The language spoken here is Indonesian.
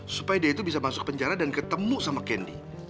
supaya dia itu bisa masuk penjara dan ketemu sama kendi